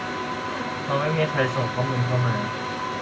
เพราะไม่มีใครส่งข้อมูลเข้ามา